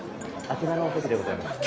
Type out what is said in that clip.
あちらのお席でございます。